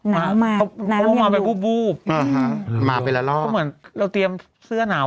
น้ำมาน้ำมาไปบูบบูบอ่าฮะมาไปละรอก็เหมือนเราเตรียมเสื้อหนาว